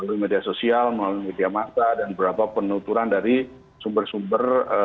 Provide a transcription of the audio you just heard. melalui media sosial melalui media massa dan berapa penuturan dari sumber sumber